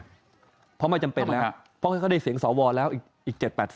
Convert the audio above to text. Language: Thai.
เพราะไม่จำเป็นแล้วเพราะเขาได้เสียงสวแล้วอีก๗๘